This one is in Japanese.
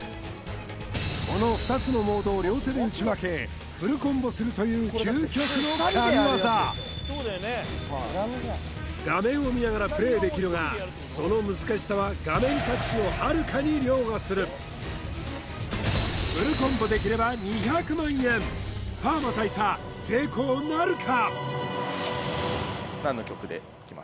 この２つのモードを両手で打ち分けフルコンボするという究極の神業画面を見ながらプレイできるがその難しさは画面隠しをはるかに凌駕するフルコンボできれば２００万円パーマ大佐成功なるか？